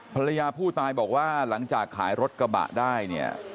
ภรรยาผู้ตายบอกว่าหลังจากขายรถกระบะได้เนี่ย